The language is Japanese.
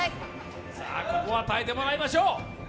ここは耐えてもらいましょう。